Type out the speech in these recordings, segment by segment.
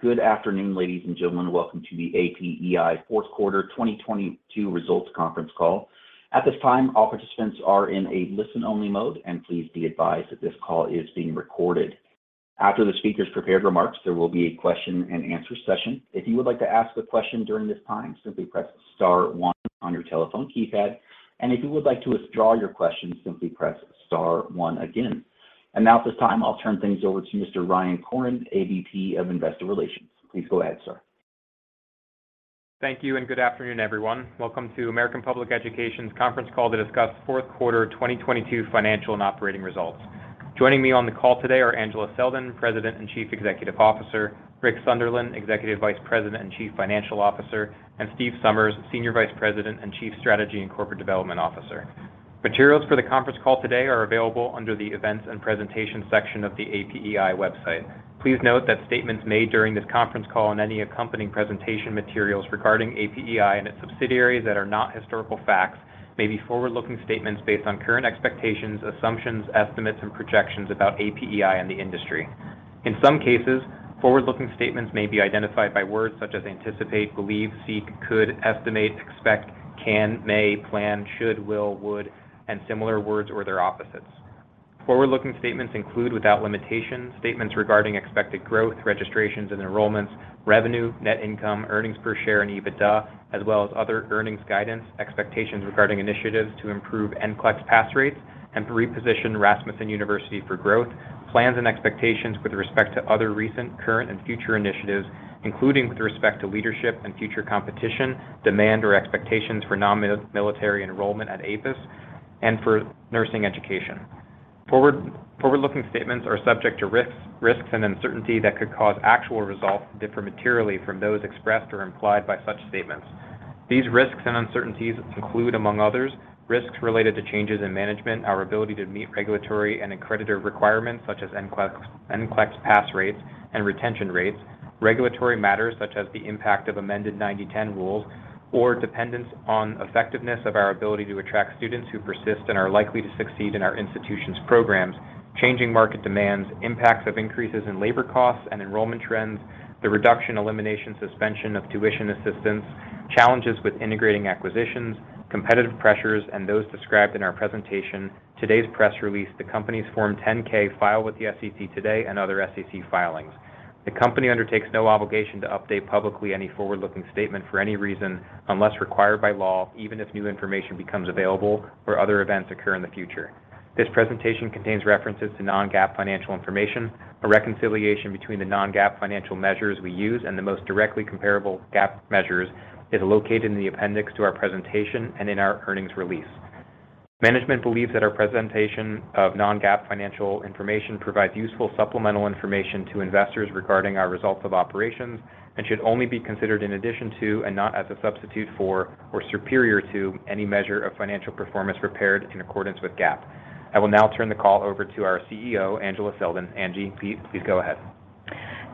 Good afternoon, ladies and gentlemen. Welcome to the APEI Fourth Quarter 2022 Results Conference Call. At this time, all participants are in a listen-only mode. Please be advised that this call is being recorded. After the speakers' prepared remarks, there will be a question-and-answer session. If you would like to ask a question during this time, simply press star one on your telephone keypad. If you would like to withdraw your question, simply press star one again. Now, at this time, I'll turn things over to Mr. Ryan Koren, AVP of Investor Relations. Please go ahead, sir. Thank you. Good afternoon, everyone. Welcome to American Public Education's conference call to discuss fourth quarter 2022 financial and operating results. Joining me on the call today are Angela Selden, President and Chief Executive Officer, Rick Sunderland, Executive Vice President and Chief Financial Officer, and Steve Somers, Senior Vice President and Chief Strategy and Corporate Development Officer. Materials for the conference call today are available under the Events and Presentation section of the APEI website. Please note that statements made during this conference call and any accompanying presentation materials regarding APEI and its subsidiaries that are not historical facts may be forward-looking statements based on current expectations, assumptions, estimates, and projections about APEI and the industry. In some cases, forward-looking statements may be identified by words such as anticipate, believe, seek, could, estimate, expect, can, may, plan, should, will, would, and similar words or their opposites. Forward-looking statements include, without limitation, statements regarding expected growth, registrations, and enrollments, revenue, net income, earnings per share, and EBITDA, as well as other earnings guidance, expectations regarding initiatives to improve NCLEX pass rates and to reposition Rasmussen University for growth, plans and expectations with respect to other recent, current, and future initiatives, including with respect to leadership and future competition, demand or expectations for non-military enrollment at APUS, and for nursing education. Forward-looking statements are subject to risks and uncertainty that could cause actual results to differ materially from those expressed or implied by such statements. These risks and uncertainties include, among others, risks related to changes in management, our ability to meet regulatory and accreditor requirements such as NCLEX pass rates and retention rates, regulatory matters such as the impact of amended 90/10 rules or dependence on effectiveness of our ability to attract students who persist and are likely to succeed in our institution's programs, changing market demands, impacts of increases in labor costs and enrollment trends, the reduction, elimination, suspension of tuition assistance, challenges with integrating acquisitions, competitive pressures, and those described in our presentation, today's press release, the company's Form 10-K filed with the SEC today, and other SEC filings. The company undertakes no obligation to update publicly any forward-looking statement for any reason, unless required by law, even if new information becomes available or other events occur in the future. This presentation contains references to non-GAAP financial information. A reconciliation between the non-GAAP financial measures we use and the most directly comparable GAAP measures is located in the appendix to our presentation and in our earnings release. Management believes that our presentation of non-GAAP financial information provides useful supplemental information to investors regarding our results of operations and should only be considered in addition to and not as a substitute for or superior to any measure of financial performance prepared in accordance with GAAP. I will now turn the call over to our CEO, Angela Selden. Angie, please go ahead.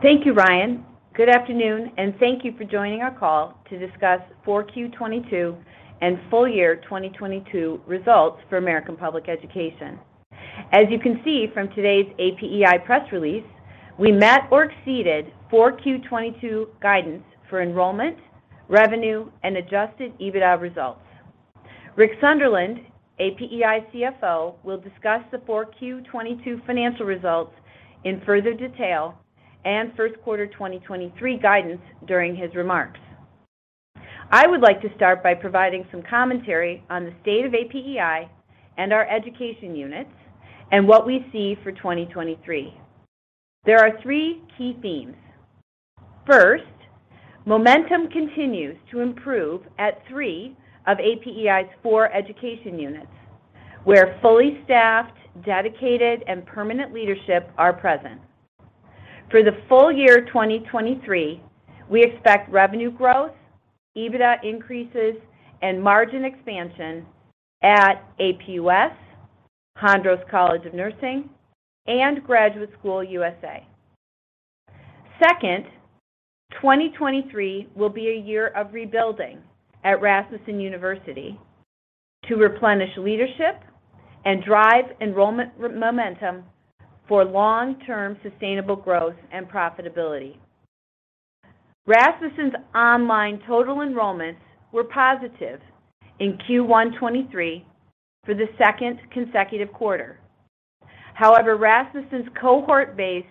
Thank you, Ryan. Good afternoon, and thank you for joining our call to discuss 4Q 2022 and full year 2022 results for American Public Education. As you can see from today's APEI press release, we met or exceeded 4Q 2022 guidance for enrollment, revenue, and adjusted EBITDA results. Rick Sunderland, APEI CFO, will discuss the 4Q 2022 financial results in further detail and first quarter 2023 guidance during his remarks. I would like to start by providing some commentary on the state of APEI and our education units and what we see for 2023. There are three key themes. First, momentum continues to improve at three of APEI's four education units, where fully staffed, dedicated, and permanent leadership are present. For the full year 2023, we expect revenue growth, EBITDA increases, and margin expansion at APUS, Hondros College of Nursing, and Graduate School USA. Second, 2023 will be a year of rebuilding at Rasmussen University to replenish leadership and drive enrollment momentum for long-term sustainable growth and profitability. Rasmussen's online total enrollments were positive in Q1 2023 for the second consecutive quarter. However, Rasmussen's cohort-based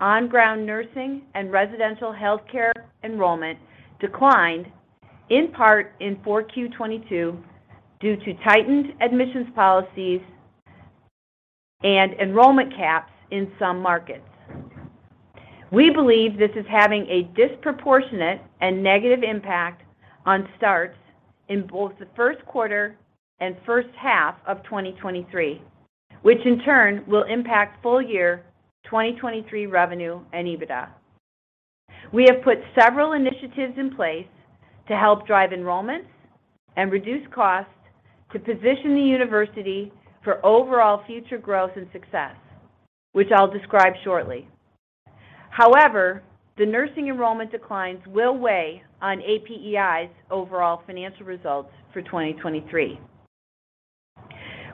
on-ground nursing and residential healthcare enrollment declined in part in 4Q 2022 due to tightened admissions policies and enrollment caps in some markets. We believe this is having a disproportionate and negative impact on starts in both the first quarter and first half of 2023, which in turn will impact full year 2023 revenue and EBITDA. We have put several initiatives in place to help drive enrollments and reduce costs to position the university for overall future growth and success, which I'll describe shortly. The nursing enrollment declines will weigh on APEI's overall financial results for 2023.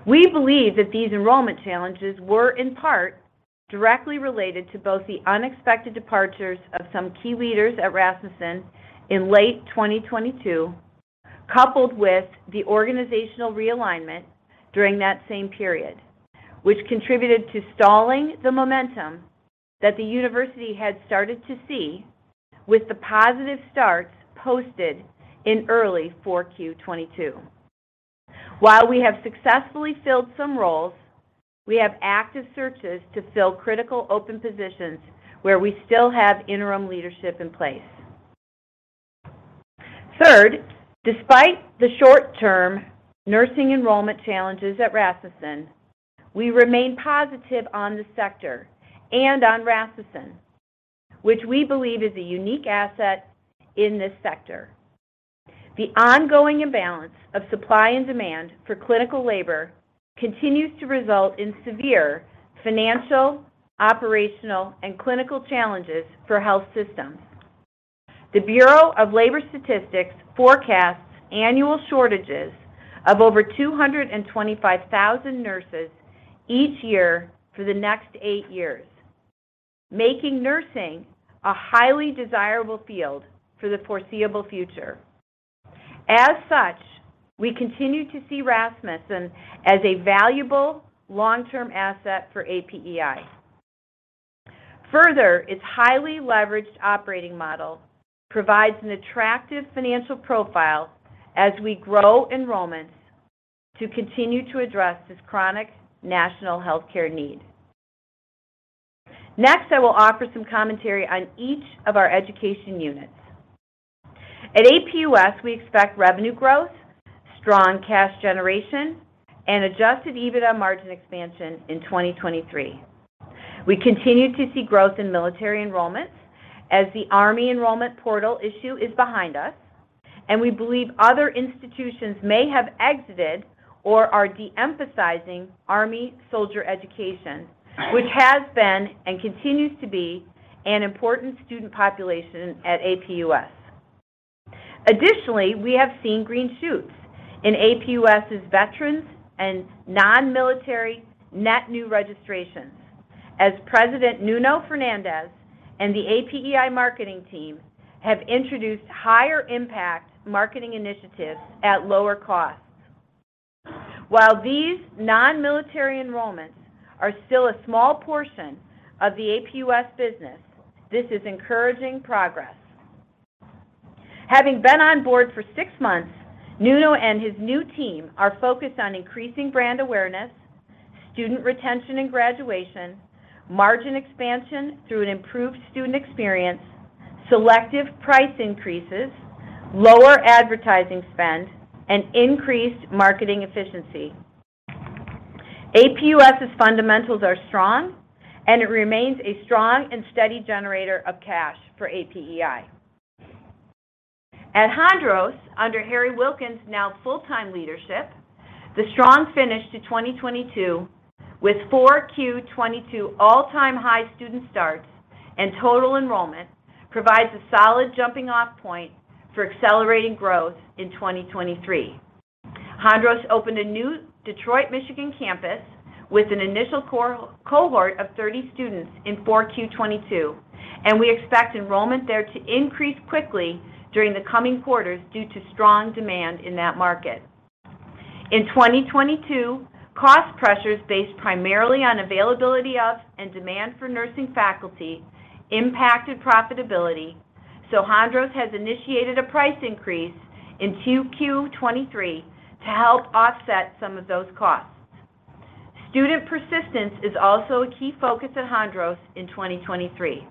We believe that these enrollment challenges were in part directly related to both the unexpected departures of some key leaders at Rasmussen in late 2022, coupled with the organizational realignment during that same period, which contributed to stalling the momentum that the university had started to see with the positive starts posted in early 4Q 2022. While we have successfully filled some roles, we have active searches to fill critical open positions where we still have interim leadership in place. Third, despite the short-term nursing enrollment challenges at Rasmussen, we remain positive on the sector and on Rasmussen, which we believe is a unique asset in this sector. The ongoing imbalance of supply and demand for clinical labor continues to result in severe financial, operational, and clinical challenges for health systems. The Bureau of Labor Statistics forecasts annual shortages of over 225,000 nurses each year for the next eight years, making nursing a highly desirable field for the foreseeable future. As such, we continue to see Rasmussen as a valuable long-term asset for APEI. Further, its highly leveraged operating model provides an attractive financial profile as we grow enrollments to continue to address this chronic national healthcare need. Next, I will offer some commentary on each of our education units. At APUS, we expect revenue growth, strong cash generation, and adjusted EBITDA margin expansion in 2023. We continue to see growth in military enrollments as the Army enrollment portal issue is behind us, and we believe other institutions may have exited or are de-emphasizing Army soldier education, which has been and continues to be an important student population at APUS. Additionally, we have seen green shoots in APUS's veterans and non-military net new registrations as President Nuno Fernandes and the APEI marketing team have introduced higher impact marketing initiatives at lower costs. While these non-military enrollments are still a small portion of the APUS business, this is encouraging progress. Having been on board for six months, Nuno and his new team are focused on increasing brand awareness, student retention and graduation, margin expansion through an improved student experience, selective price increases, lower advertising spend, and increased marketing efficiency. APUS's fundamentals are strong, and it remains a strong and steady generator of cash for APEI. At Hondros, under Harry Wilkins' now full-time leadership, the strong finish to 2022 with 4Q 2022 all-time high student starts and total enrollment provides a solid jumping-off point for accelerating growth in 2023. Hondros opened a new Detroit, Michigan campus with an initial cohort of 30 students in 4Q 2022, and we expect enrollment there to increase quickly during the coming quarters due to strong demand in that market. In 2022, cost pressures based primarily on availability of and demand for nursing faculty impacted profitability, so Hondros has initiated a price increase in 2Q23 to help offset some of those costs. Student persistence is also a key focus at Hondros in 2023.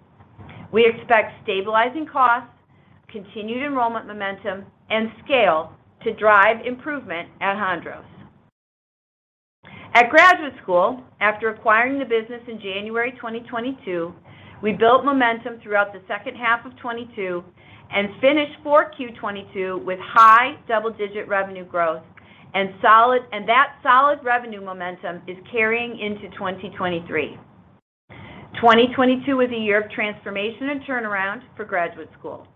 We expect stabilizing costs, continued enrollment momentum, and scale to drive improvement at Hondros. At Graduate School, after acquiring the business in January 2022, we built momentum throughout the second half of 2022 and finished 4Q 2022 with high double-digit revenue growth and that solid revenue momentum is carrying into 2023. 2022 was a year of transformation and turnaround for Graduate School,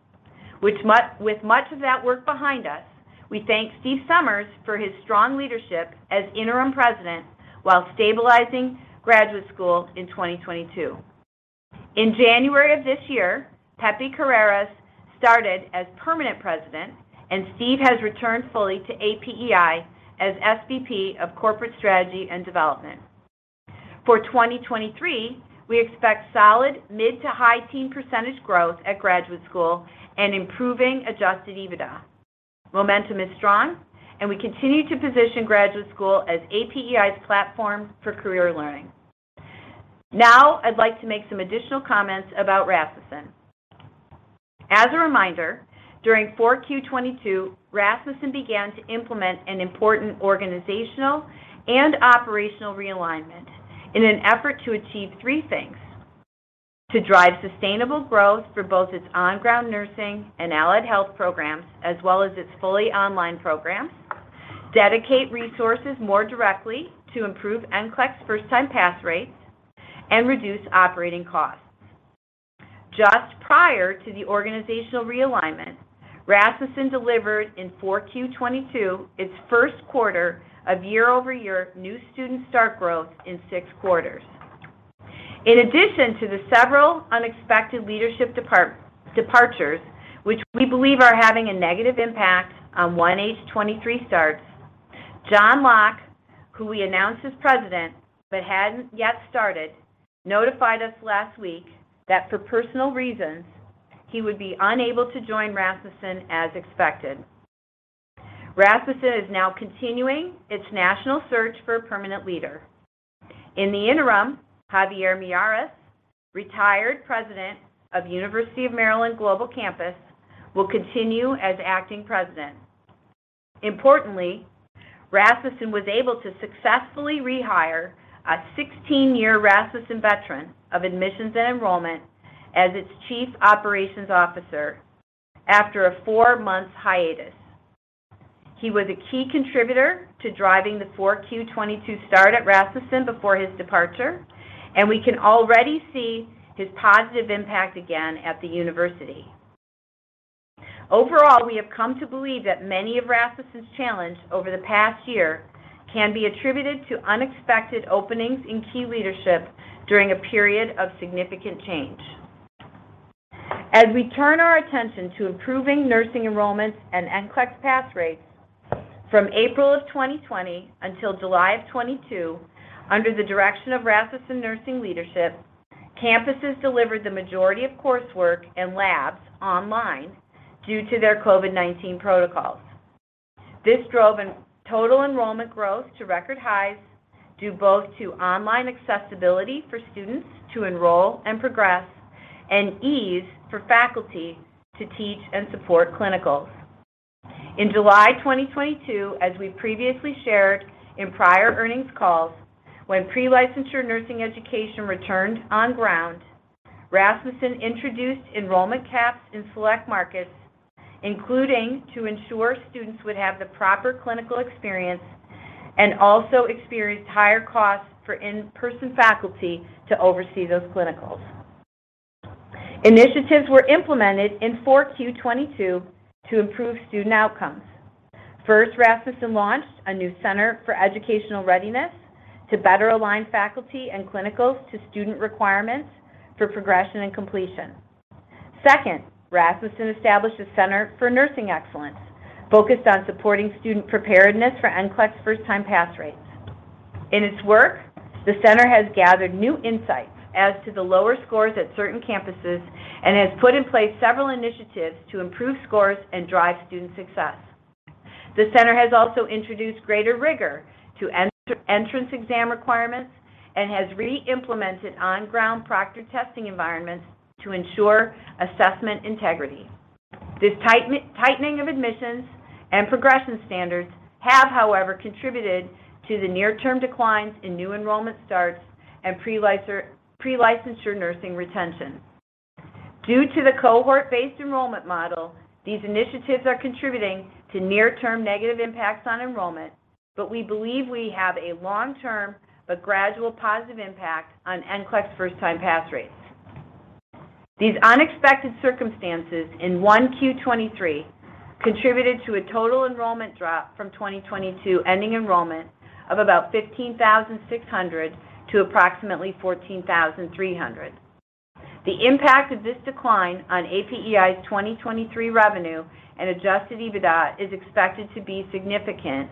with much of that work behind us, we thank Steve Somers for his strong leadership as Interim President while stabilizing Graduate School in 2022. In January of this year, Pepe Carreras started as permanent President, and Steve has returned fully to APEI as SVP of Corporate Strategy and Development. For 2023, we expect solid mid to high teen percentage growth at Graduate School and improving adjusted EBITDA. Momentum is strong, and we continue to position Graduate School as APEI's platform for career learning. Now, I'd like to make some additional comments about Rasmussen University. As a reminder, during 4Q 2022, Rasmussen began to implement an important organizational and operational realignment in an effort to achieve three things: to drive sustainable growth for both its on-ground nursing and allied health programs, as well as its fully online programs, dedicate resources more directly to improve NCLEX first-time pass rates, and reduce operating costs. Just prior to the organizational realignment, Rasmussen delivered in 4Q 2022 its first quarter of year-over-year new student start growth in six quarters. In addition to the several unexpected leadership departures, which we believe are having a negative impact on 1H 2023 starts, John Lock, who we announced as President but hadn't yet started, notified us last week that for personal reasons, he would be unable to join Rasmussen as expected. Rasmussen is now continuing its national search for a permanent leader. In the interim, Javier Miyares, retired President of University of Maryland Global Campus, will continue as Acting President. Importantly, Rasmussen was able to successfully rehire a 16-year Rasmussen veteran of admissions and enrollment as its Chief Operations Officer after a four-month hiatus. He was a key contributor to driving the 4Q 2022 start at Rasmussen before his departure. We can already see his positive impact again at the university. Overall, we have come to believe that many of Rasmussen's challenge over the past year can be attributed to unexpected openings in key leadership during a period of significant change. As we turn our attention to improving nursing enrollments and NCLEX pass rates from April of 2020 until July of 2022, under the direction of Rasmussen Nursing leadership, campuses delivered the majority of coursework and labs online due to their COVID-19 protocols. This drove in total enrollment growth to record highs, due both to online accessibility for students to enroll and progress and ease for faculty to teach and support clinicals. In July 2022, as we previously shared in prior earnings calls, when pre-licensure nursing education returned on ground, Rasmussen introduced enrollment caps in select markets, including to ensure students would have the proper clinical experience and also experienced higher costs for in-person faculty to oversee those clinicals. Initiatives were implemented in 4Q 2022 to improve student outcomes. First, Rasmussen launched a new Center for Educational Readiness to better align faculty and clinicals to student requirements for progression and completion. Second, Rasmussen established a Center for Nursing Excellence focused on supporting student preparedness for NCLEX first-time pass rates. In its work, the center has gathered new insights as to the lower scores at certain campuses and has put in place several initiatives to improve scores and drive student success. The center has also introduced greater rigor to entrance exam requirements and has reimplemented on-ground proctored testing environments to ensure assessment integrity. This tightening of admissions and progression standards have, however, contributed to the near-term declines in new enrollment starts and pre-licensure nursing retention. Due to the cohort-based enrollment model, these initiatives are contributing to near-term negative impacts on enrollment, but we believe we have a long-term but gradual positive impact on NCLEX first-time pass rates. These unexpected circumstances in 1Q 2023 contributed to a total enrollment drop from 2022 ending enrollment of about 15,600 to approximately 14,300. The impact of this decline on APEI's 2023 revenue and adjusted EBITDA is expected to be significant.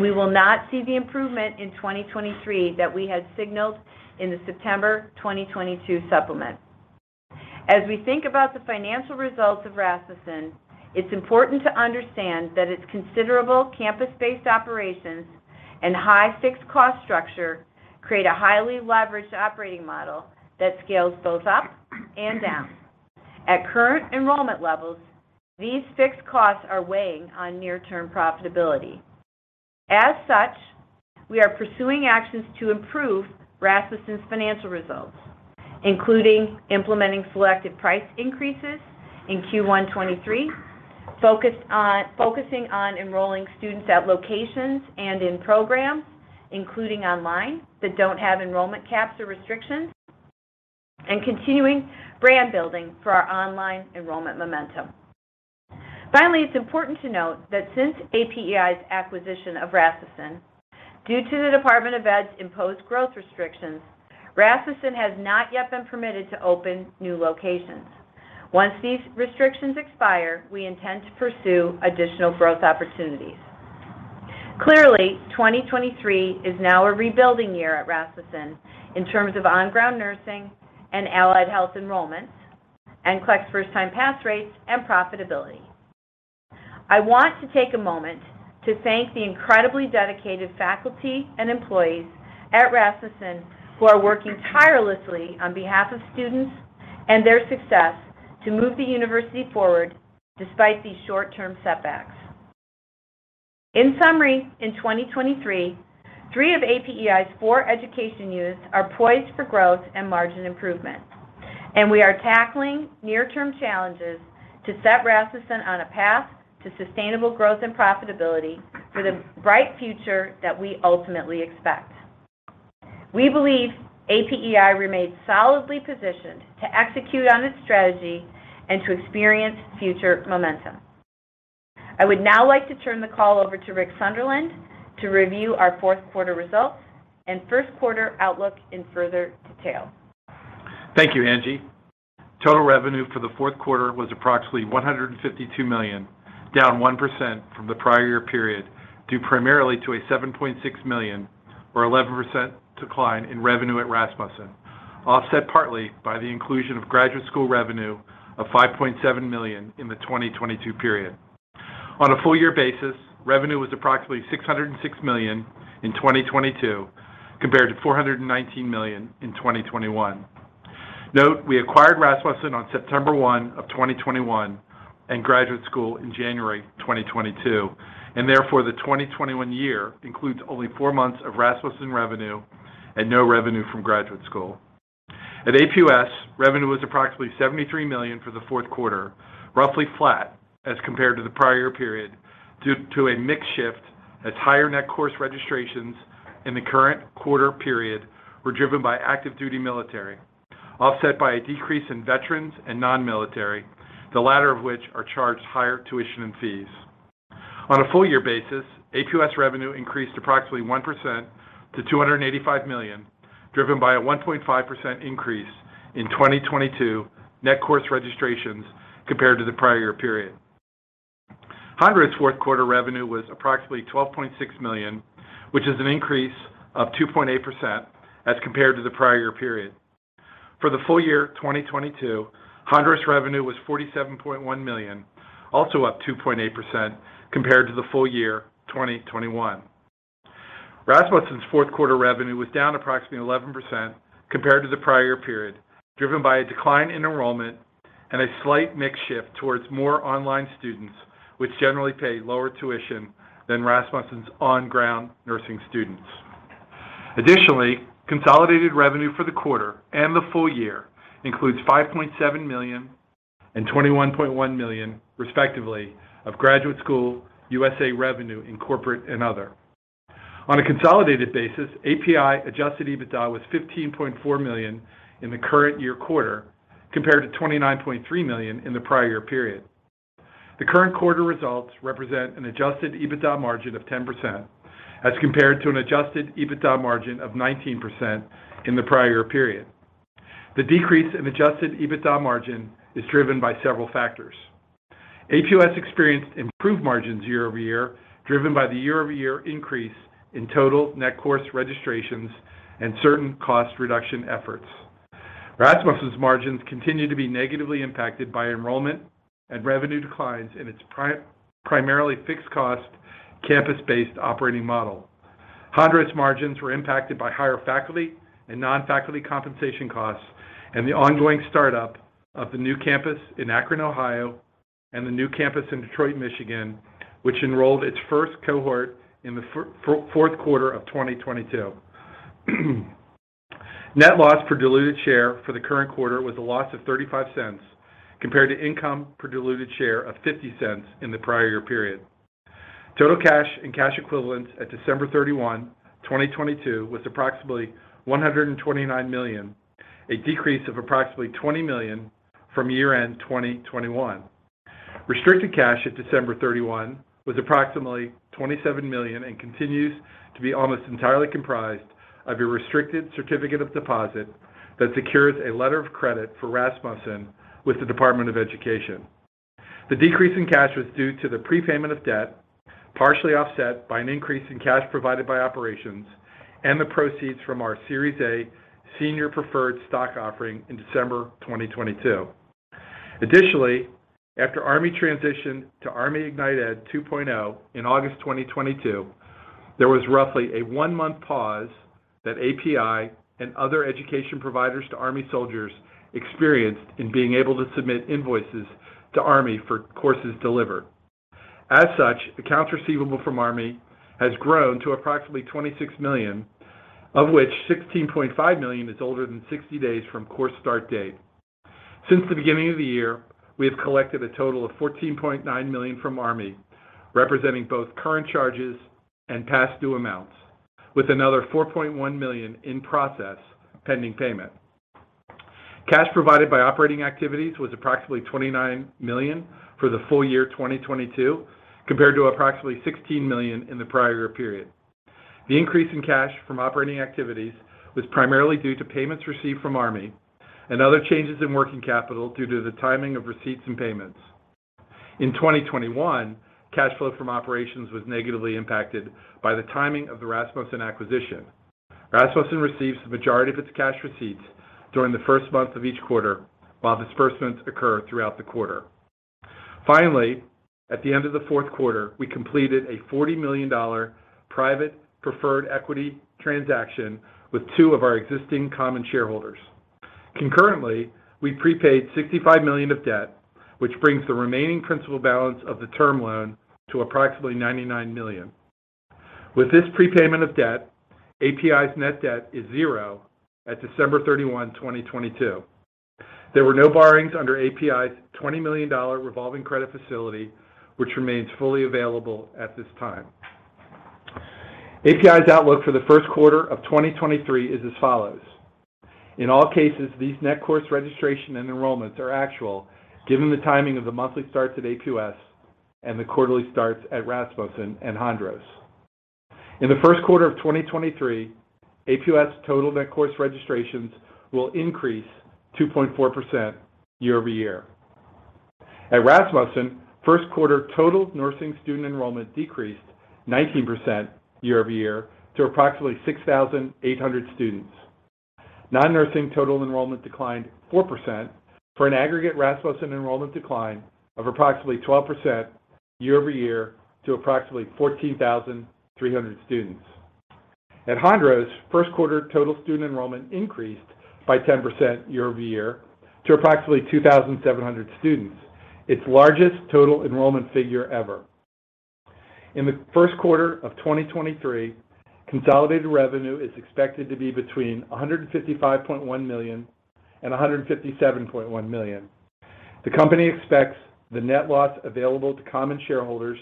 We will not see the improvement in 2023 that we had signaled in the September 2022 supplement. As we think about the financial results of Rasmussen, it's important to understand that its considerable campus-based operations and high fixed cost structure create a highly leveraged operating model that scales both up and down. At current enrollment levels, these fixed costs are weighing on near-term profitability. As such, we are pursuing actions to improve Rasmussen's financial results, including implementing selective price increases in Q1 2023, focusing on enrolling students at locations and in programs, including online, that don't have enrollment caps or restrictions, and continuing brand building for our online enrollment momentum. Finally, it's important to note that since APEI's acquisition of Rasmussen, due to the Department of Ed's imposed growth restrictions, Rasmussen has not yet been permitted to open new locations. Once these restrictions expire, we intend to pursue additional growth opportunities. Clearly, 2023 is now a rebuilding year at Rasmussen in terms of on-ground nursing and allied health enrollments, NCLEX first-time pass rates, and profitability. I want to take a moment to thank the incredibly dedicated faculty and employees at Rasmussen who are working tirelessly on behalf of students and their success to move the university forward despite these short-term setbacks. In summary, in 2023, three of APEI's four education units are poised for growth and margin improvement. We are tackling near-term challenges to set Rasmussen on a path to sustainable growth and profitability for the bright future that we ultimately expect. We believe APEI remains solidly positioned to execute on its strategy and to experience future momentum. I would now like to turn the call over to Rick Sunderland to review our fourth quarter results and first quarter outlook in further detail. Thank you, Angie. Total revenue for the fourth quarter was approximately $152 million, down 1% from the prior year period, due primarily to a $7.6 million or 11% decline in revenue at Rasmussen, offset partly by the inclusion of Graduate School revenue of $5.7 million in the 2022 period. On a full year basis, revenue was approximately $606 million in 2022 compared to $419 million in 2021. Note, we acquired Rasmussen on September 1 of 2021 and Graduate School in January 2022, and therefore, the 2021 year includes only four months of Rasmussen revenue and no revenue from Graduate School. At APUS, revenue was approximately $73 million for the fourth quarter, roughly flat as compared to the prior period, due to a mix shift as higher net course registrations in the current quarter period were driven by active duty military, offset by a decrease in veterans and non-military, the latter of which are charged higher tuition and fees. On a full year basis, APUS revenue increased approximately 1% to $285 million, driven by a 1.5 increase in 2022 net course registrations compared to the prior year period. Hondros' fourth quarter revenue was approximately $12.6 million, which is an increase of 2.8% as compared to the prior year period. For the full year 2022, Hondros' revenue was $47.1 million, also up 2.8% compared to the full year 2021. Rasmussen's fourth quarter revenue was down approximately 11% compared to the prior period, driven by a decline in enrollment and a slight mix shift towards more online students, which generally pay lower tuition than Rasmussen's on-ground nursing students. Additionally, consolidated revenue for the quarter and the full year includes $5.7 million and $21.1 million, respectively, of Graduate School USA revenue in corporate and other. On a consolidated basis, APEI adjusted EBITDA was $15.4 million in the current year quarter compared to $29.3 million in the prior year period. The current quarter results represent an adjusted EBITDA margin of 10% as compared to an adjusted EBITDA margin of 19% in the prior period. The decrease in adjusted EBITDA margin is driven by several factors. APUS experienced improved margins year-over-year, driven by the year-over-year increase in total net course registrations and certain cost reduction efforts. Rasmussen's margins continue to be negatively impacted by enrollment and revenue declines in its primarily fixed cost, campus-based operating model. Hondros' margins were impacted by higher faculty and non-faculty compensation costs and the ongoing startup of the new campus in Akron, Ohio, and the new campus in Detroit, Michigan, which enrolled its first cohort in the fourth quarter of 2022. Net loss per diluted share for the current quarter was a loss of $0.35 compared to income per diluted share of $0.50 in the prior year period. Total cash and cash equivalents at December 31, 2022 was approximately $129 million, a decrease of approximately $20 million from year-end 2021. Restricted cash at December 31 was approximately $27 million and continues to be almost entirely comprised of a restricted certificate of deposit that secures a letter of credit for Rasmussen with the Department of Education. The decrease in cash was due to the prepayment of debt, partially offset by an increase in cash provided by operations and the proceeds from our Series A senior preferred stock offering in December 2022. Additionally, after Army transitioned to ArmyIgnitED 2.0 in August 2022, there was roughly a one-month pause that APEI and other education providers to Army soldiers experienced in being able to submit invoices to Army for courses delivered. As such, accounts receivable from Army has grown to approximately $26 million, of which $16.5 million is older than 60 days from course start date. Since the beginning of the year, we have collected a total of $14.9 million from Army, representing both current charges and past due amounts, with another $4.1 million in process pending payment. Cash provided by operating activities was approximately $29 million for the full year 2022, compared to approximately $16 million in the prior year period. The increase in cash from operating activities was primarily due to payments received from Army and other changes in working capital due to the timing of receipts and payments. In 2021, cash flow from operations was negatively impacted by the timing of the Rasmussen acquisition. Rasmussen receives the majority of its cash receipts during the first month of each quarter, while disbursements occur throughout the quarter. Finally, at the end of the fourth quarter, we completed a $40 million private preferred equity transaction with two of our existing common shareholders. Concurrently, we prepaid $65 million of debt, which brings the remaining principal balance of the term loan to approximately $99 million. With this prepayment of debt, APEI's net debt is zero at December 31, 2022. There were no borrowings under APEI's $20 million revolving credit facility, which remains fully available at this time. APEI's outlook for the first quarter of 2023 is as follows. In all cases, these net course registration and enrollments are actual given the timing of the monthly starts at APUS and the quarterly starts at Rasmussen and Hondros. In the first quarter of 2023, APUS total net course registrations will increase 2.4% year-over-year. At Rasmussen, first quarter total nursing student enrollment decreased 19% year-over-year to approximately 6,800 students. Non-nursing total enrollment declined 4% for an aggregate Rasmussen enrollment decline of approximately 12% year-over-year to approximately 14,300 students. At Hondros, first quarter total student enrollment increased by 10% year-over-year to approximately 2,700 students, its largest total enrollment figure ever. In the first quarter of 2023, consolidated revenue is expected to be between $155.1 million and $157.1 million. The company expects the net loss available to common shareholders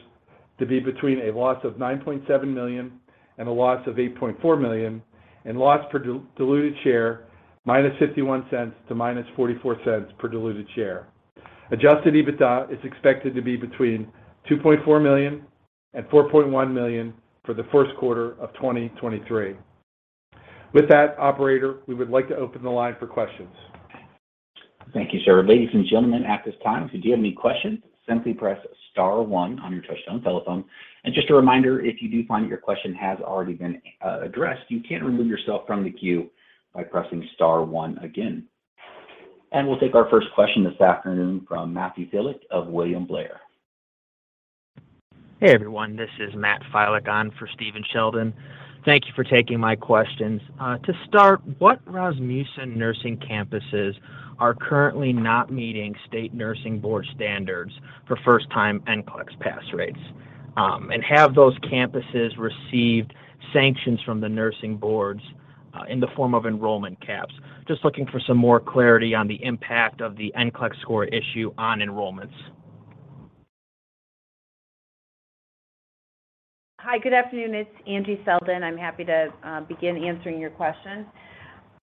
to be between a loss of $9.7 million and a loss of $8.4 million, and loss per diluted share -$0.51 to -$0.44 per diluted share. Adjusted EBITDA is expected to be between $2.4 million and $4.1 million for the first quarter of 2023. With that, operator, we would like to open the line for questions. Thank you, sir. Ladies and gentlemen, at this time, if you do have any questions, simply press star one on your touch-tone telephone. Just a reminder, if you do find that your question has already been addressed, you can remove yourself from the queue by pressing star one again. We'll take our first question this afternoon from Matthew Filek of William Blair. Hey, everyone. This is Matt Filek on for Stephen Sheldon. Thank you for taking my questions. To start, what Rasmussen nursing campuses are currently not meeting state nursing board standards for first-time NCLEX pass rates? Have those campuses received sanctions from the nursing boards in the form of enrollment caps? Just looking for some more clarity on the impact of the NCLEX score issue on enrollments. Hi, good afternoon. It's Angie Selden. I'm happy to begin answering your question.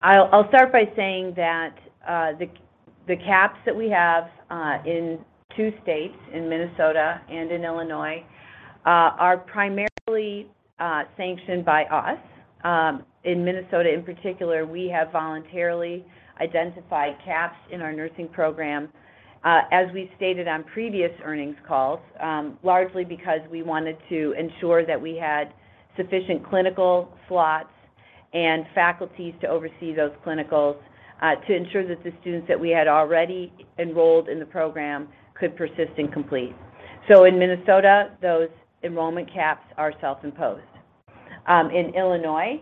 I'll start by saying that the caps that we have in two states, in Minnesota and in Illinois, are primarily sanctioned by us. In Minnesota, in particular, we have voluntarily identified caps in our nursing program, as we stated on previous earnings calls, largely because we wanted to ensure that we had sufficient clinical slots and faculties to oversee those clinicals, to ensure that the students that we had already enrolled in the program could persist and complete. In Minnesota, those enrollment caps are self-imposed. In Illinois,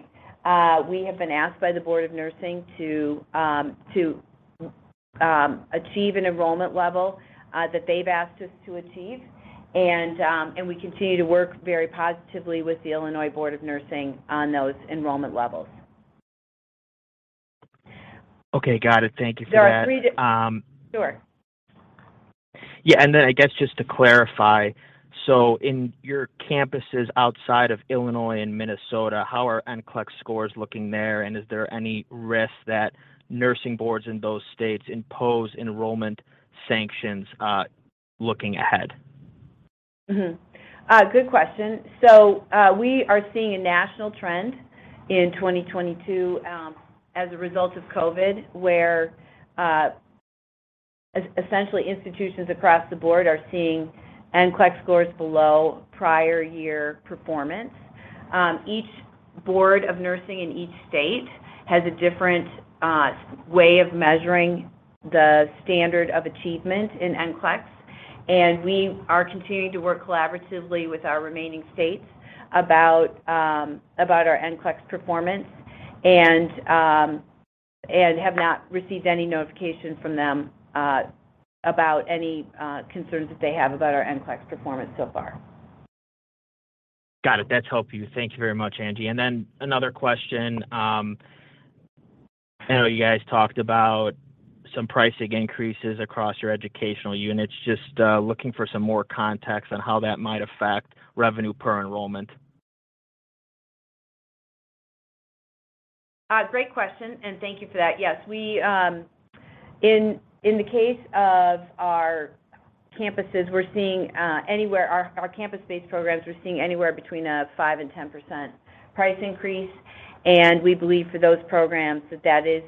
we have been asked by the Board of Nursing to achieve an enrollment level that they've asked us to achieve. We continue to work very positively with the Illinois Board of Nursing on those enrollment levels. Okay. Got it. Thank you for that. Sure. Yeah, I guess just to clarify. In your campuses outside of Illinois and Minnesota, how are NCLEX scores looking there, and is there any risk that nursing boards in those states impose enrollment sanctions looking ahead? Good question. We are seeing a national trend in 2022, as a result of COVID, where essentially institutions across the board are seeing NCLEX scores below prior year performance. Each Board of Nursing in each state has a different way of measuring the standard of achievement in NCLEX, and we are continuing to work collaboratively with our remaining states about our NCLEX performance, and have not received any notification from them about any concerns that they have about our NCLEX performance so far. Got it. That's helpful. Thank you very much, Angie. Another question, I know you guys talked about some pricing increases across your educational units. Just looking for some more context on how that might affect revenue per enrollment. Great question, thank you for that. Yes. We in the case of our campuses, we're seeing anywhere between a 5% and 10% price increase, we believe for those programs that that is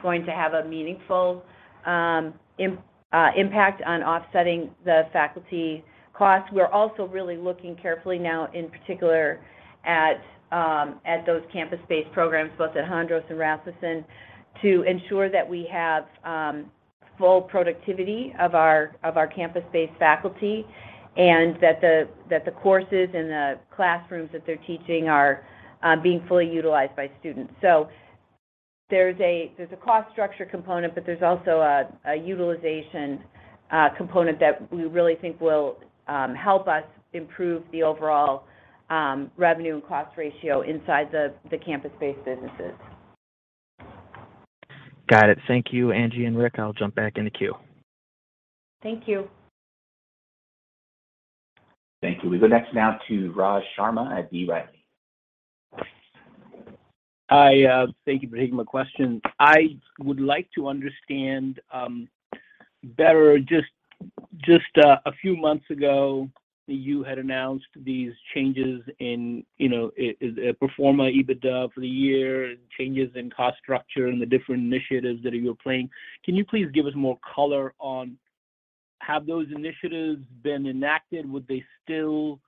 going to have a meaningful impact on offsetting the faculty costs. We're also really looking carefully now in particular at those campus-based programs, both at Hondros and Rasmussen, to ensure that we have full productivity of our campus-based faculty that the courses and the classrooms that they're teaching are being fully utilized by students. There's a cost structure component, there's also a utilization component that we really think will help us improve the overall revenue and cost ratio inside the campus-based businesses. Got it. Thank you, Angie and Rick. I'll jump back in the queue. Thank you. Thank you. We go next now to Raj Sharma at B. Riley. I thank you for taking my question. I would like to understand better just a few months ago, you had announced these changes in, you know, pro forma EBITDA for the year, changes in cost structure, and the different initiatives that you're playing. Can you please give us more color on have those initiatives been enacted? Would they still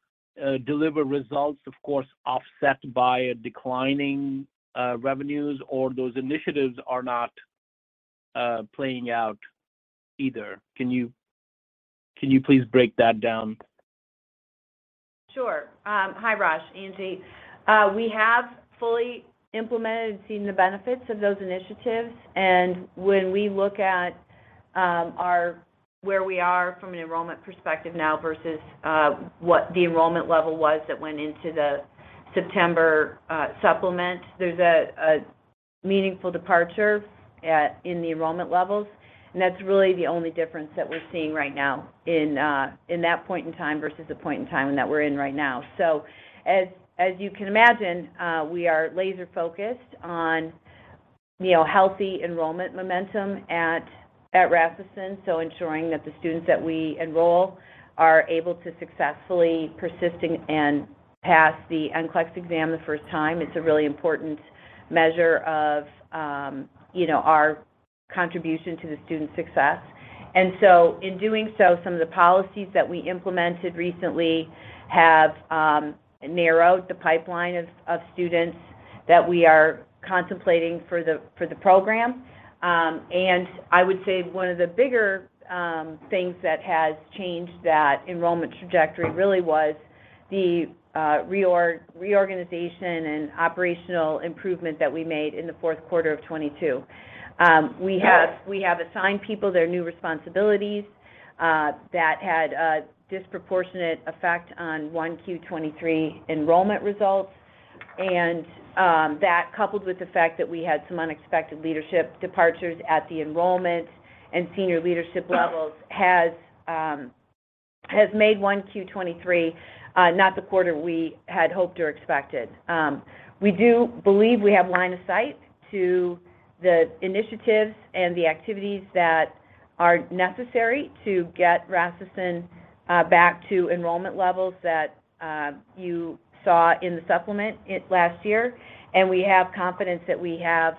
deliver results, of course, offset by declining revenues, or those initiatives are not playing out either? Can you please break that down? Sure. Hi, Raj, Angie. We have fully implemented and seen the benefits of those initiatives. When we look at where we are from an enrollment perspective now versus what the enrollment level was that went into the September supplement, there's a meaningful departure in the enrollment levels, and that's really the only difference that we're seeing right now in that point in time versus the point in time that we're in right now. As you can imagine, we are laser-focused on, you know, healthy enrollment momentum at Rasmussen, so ensuring that the students that we enroll are able to successfully persisting and pass the NCLEX exam the first time. It's a really important measure of, you know, our contribution to the student success. In doing so, some of the policies that we implemented recently have narrowed the pipeline of students that we are contemplating for the program. I would say one of the bigger things that has changed that enrollment trajectory really was the reorganization and operational improvement that we made in the fourth quarter of 2022. We have assigned people their new responsibilities that had a disproportionate effect on 1Q 2023 enrollment results. That coupled with the fact that we had some unexpected leadership departures at the enrollment and senior leadership levels has made 1Q 2023 not the quarter we had hoped or expected. We do believe we have line of sight to the initiatives and the activities that are necessary to get Rasmussen back to enrollment levels that you saw in the supplement last year. We have confidence that we have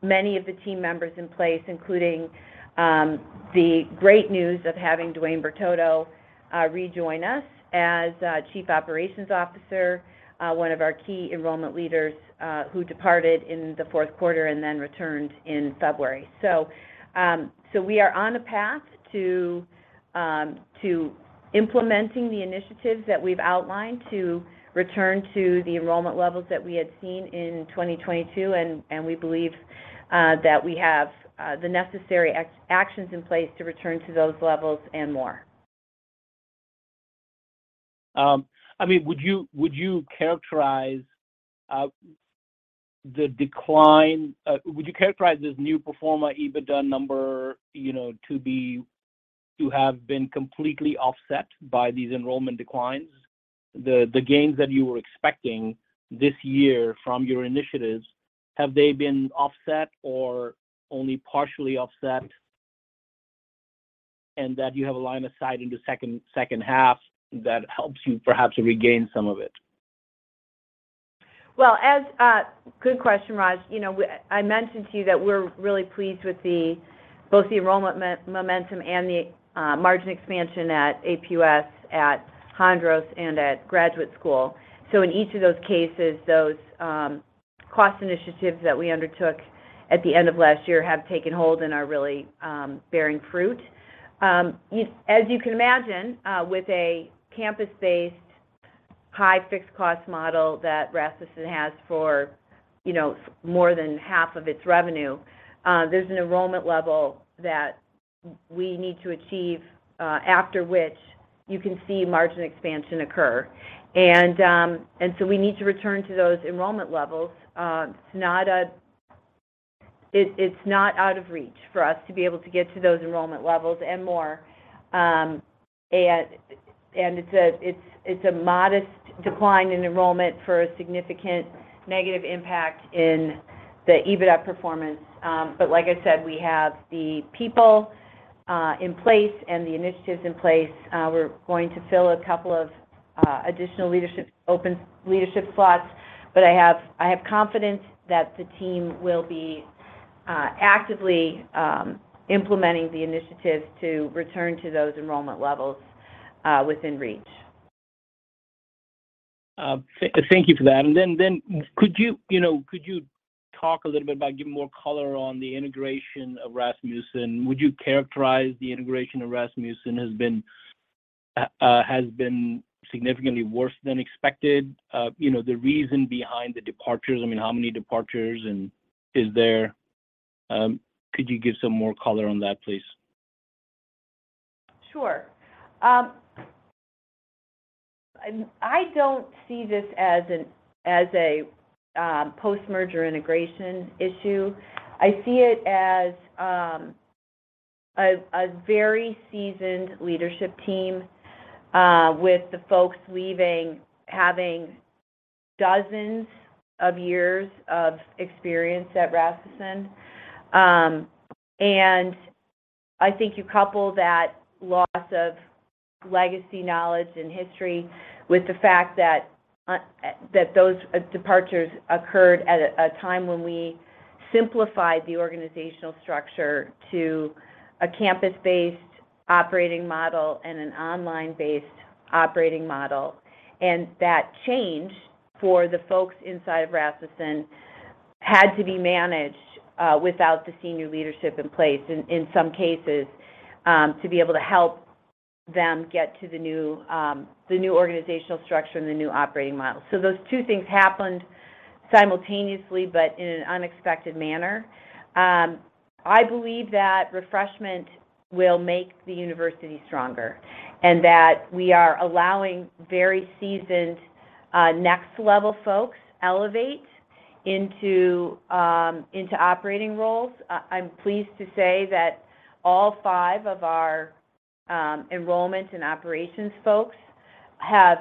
many of the team members in place, including the great news of having Dwayne Bertotto rejoin us as Chief Operations Officer, one of our key enrollment leaders who departed in the fourth quarter and then returned in February. We are on a path to implementing the initiatives that we've outlined to return to the enrollment levels that we had seen in 2022, and we believe that we have the necessary actions in place to return to those levels and more. I mean, would you characterize this new pro forma EBITDA number, you know, to have been completely offset by these enrollment declines? The gains that you were expecting this year from your initiatives, have they been offset or only partially offset, and that you have a line of sight in the second half that helps you perhaps regain some of it? Well. Good question, Raj. You know, I mentioned to you that we're really pleased with both the enrollment momentum and the margin expansion at APUS, at Hondros, and at Graduate School. In each of those cases, those cost initiatives that we undertook at the end of last year have taken hold and are really bearing fruit. As you can imagine, with a campus-based high fixed cost model that Rasmussen has for, you know, more than half of its revenue, there's an enrollment level that we need to achieve, after which you can see margin expansion occur. We need to return to those enrollment levels. It's not out of reach for us to be able to get to those enrollment levels and more. It's a modest decline in enrollment for a significant negative impact in the EBITDA performance. Like I said, we have the people in place and the initiatives in place. We're going to fill a couple of additional leadership, open leadership slots. I have confidence that the team will be actively implementing the initiatives to return to those enrollment levels within reach. Thank you for that. Could you know, could you talk a little bit about giving more color on the integration of Rasmussen? Would you characterize the integration of Rasmussen has been significantly worse than expected? You know, the reason behind the departures, I mean, how many departures and is there? Could you give some more color on that, please? Sure. I don't see this as a post-merger integration issue. I see it as a very seasoned leadership team, with the folks leaving having dozens of years of experience at Rasmussen. I think you couple that loss of legacy knowledge and history with the fact that those departures occurred at a time when we simplified the organizational structure to a campus-based operating model and an online-based operating model. That change for the folks inside of Rasmussen had to be managed without the senior leadership in place in some cases, to be able to help them get to the new organizational structure and the new operating model. Those two things happened simultaneously, but in an unexpected manner. I believe that refreshment will make the university stronger and that we are allowing very seasoned next level folks elevate into operating roles. I'm pleased to say that all five of our enrollment and operations folks have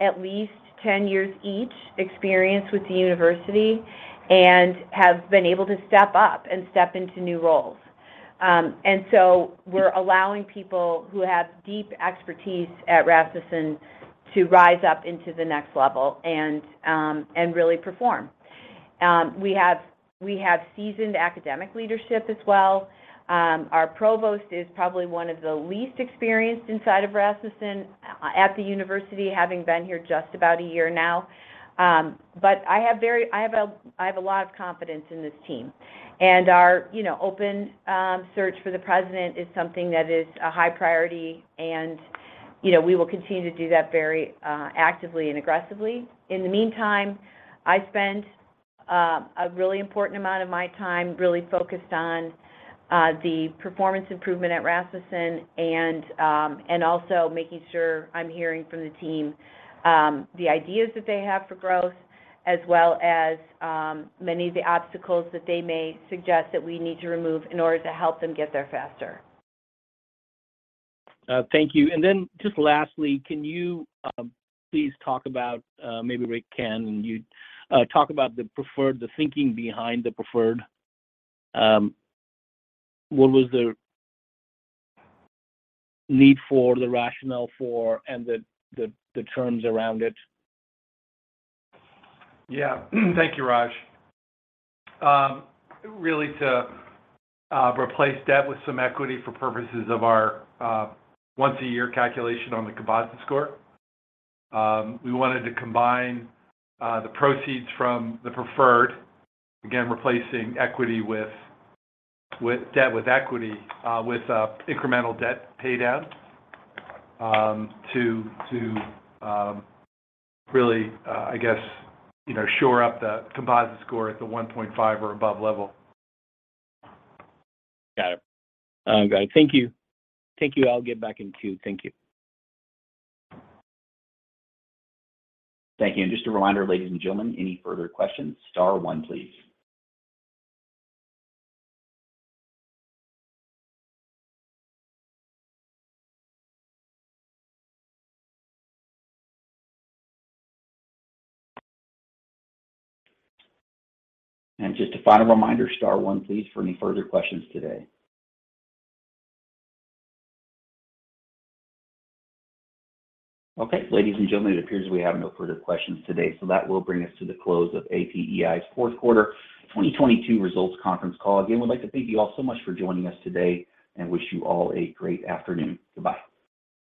at least 10 years each experience with the university and have been able to step up and step into new roles. We're allowing people who have deep expertise at Rasmussen to rise up into the next level and really perform. We have seasoned academic leadership as well. Our Provost is probably one of the least experienced inside of Rasmussen at the university, having been here just about a year now. I have a lot of confidence in this team and our, you know, open search for the President is something that is a high priority and, you know, we will continue to do that very actively and aggressively. In the meantime, I spend a really important amount of my time really focused on the performance improvement at Rasmussen and also making sure I'm hearing from the team the ideas that they have for growth as well as many of the obstacles that they may suggest that we need to remove in order to help them get there faster. Thank you. Just lastly, can you please talk about, maybe Rick can. Can you talk about the thinking behind the preferred? What was the need for the rationale for and the terms around it? Yeah. Thank you, Raj. Really to replace debt with some equity for purposes of our once a year calculation on the composite score. We wanted to combine the proceeds from the preferred, again, replacing debt with equity, with incremental debt pay down, to really, I guess, you know, shore up the composite score at the 1.5 or above level. Got it. Thank you. I'll get back in queue. Thank you. Thank you. Just a reminder, ladies and gentlemen, any further questions, star one, please. Just a final reminder, star one, please, for any further questions today. Okay. Ladies and gentlemen, it appears we have no further questions today, that will bring us to the close of APEI's fourth quarter 2022 results conference call. Again, we'd like to thank you all so much for joining us today and wish you all a great afternoon. Goodbye.